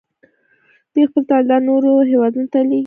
دوی خپل تولیدات نورو هیوادونو ته لیږي.